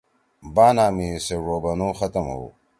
بانا می سے ڙو بنُو ختم ہُو۔